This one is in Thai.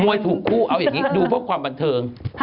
วยถูกคู่เอาอย่างนี้ดูเพื่อความบันเทิง